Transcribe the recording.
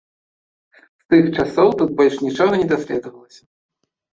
З тых часоў тут больш нічога не даследавалася.